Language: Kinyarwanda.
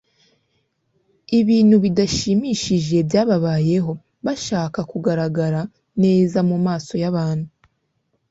ibintu bidashimishije byababayeho, bashaka kugaragara neza mu maso y'abantu